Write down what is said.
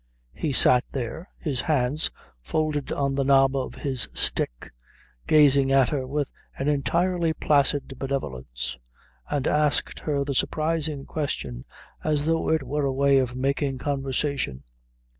He sat there, his hands folded on the knob of his stick, gazing at her with an entirely placid benevolence and asked her the surprising question as though it were a way of making conversation.